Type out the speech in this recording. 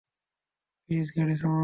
Please গাড়ি থামাও।